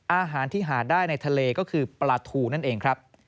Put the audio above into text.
อาหารที่หาได้ในทะเลก็คือปลาทูนั่นเองครับ